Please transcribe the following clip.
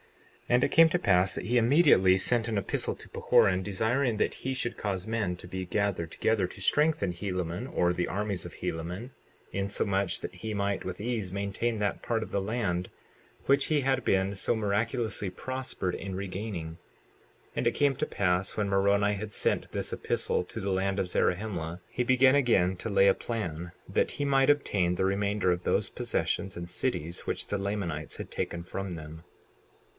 59:3 And it came to pass that he immediately sent an epistle to Pahoran, desiring that he should cause men to be gathered together to strengthen Helaman, or the armies of Helaman, insomuch that he might with ease maintain that part of the land which he had been so miraculously prospered in regaining. 59:4 And it came to pass when Moroni had sent this epistle to the land of Zarahemla, he began again to lay a plan that he might obtain the remainder of those possessions and cities which the Lamanites had taken from them.